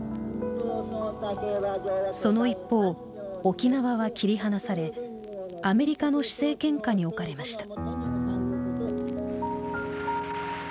その一方沖縄は切り離されアメリカの施政権下に置かれました。